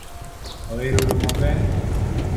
Waweruru maber